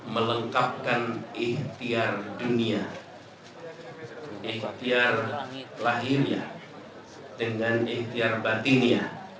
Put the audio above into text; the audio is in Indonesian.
melengkapkan ikhtiar dunia ikhtiar lahirnya dengan ikhtiar batinnya